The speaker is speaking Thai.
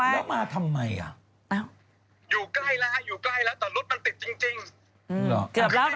อยู่ใกล้แล้วอยู่ใกล้แล้วแต่รถมันติดจริง